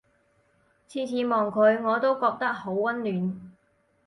次次望佢我都覺得好溫暖